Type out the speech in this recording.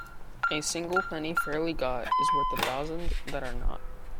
A single penny fairly got is worth a thousand that are not.